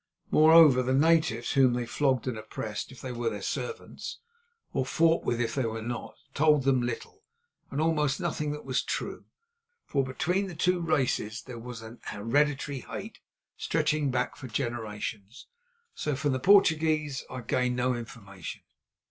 Moreover, the natives whom they flogged and oppressed if they were their servants, or fought with if they were not, told them little, and almost nothing that was true, for between the two races there was an hereditary hate stretching back for generations. So from the Portuguese I gained no information.